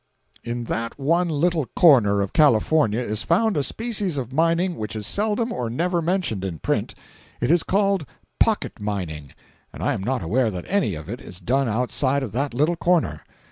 436.jpg (34K) In that one little corner of California is found a species of mining which is seldom or never mentioned in print. It is called "pocket mining" and I am not aware that any of it is done outside of that little corner.